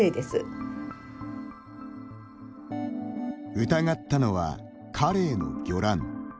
うたがったのは、カレイの魚卵。